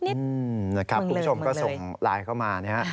นี่ค่ะคุณผู้ชมก็ส่งลายเข้ามามันเลย